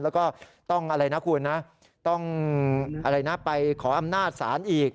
แล้วก็ต้องอะไรนะคุณนะต้องอะไรนะไปขออำนาจศาลอีก